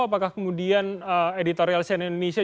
apakah kemudian editorial cnn indonesia